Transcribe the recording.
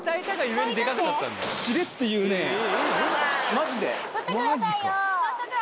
マジで？